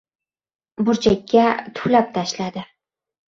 Burchakka tuflab tashladi.